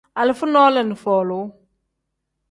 Alifa nole ni folu.